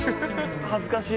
はずかしい。